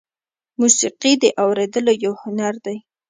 موسیقي د اورېدلو یو هنر دی.